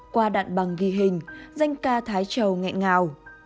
qua đạn bằng ghi hình danh ca thái châu ngẹn ngào